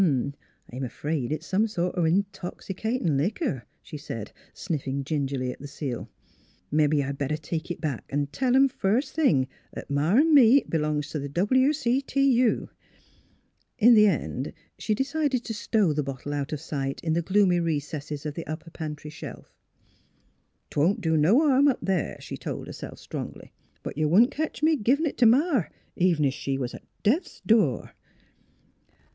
" I'm afraid it's some sort o' intoxicatin' liquor," she said, sniffing gingerly at the seal. " Mebbe I'd better take it back an' tell 'em first thing 'at Ma an' me b'longs t' the W. C. T. U." In the end she decided to stow the bottle out 74 NEIGHBORS of sight in the gloomy recesses of the upper pantry shelf. " 'Twon't do no harm up there," she told her self strongly. " But you wouldn't ketch me a giv in' it t' Ma, even if she was at death's door."